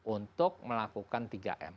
untuk melakukan tiga m